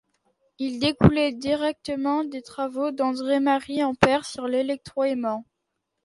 Il découlait directement des travaux d'André-Marie Ampère sur l'électroaimant.